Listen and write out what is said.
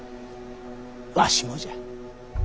わしもじゃ。